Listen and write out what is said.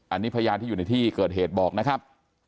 อันนี้พยานที่อยู่ในที่เกิดเหตุบอกนะครับ